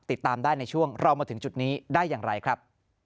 ติดตามได้ในช่วงเรามาถึงจุดนี้ได้อย่างไรครับ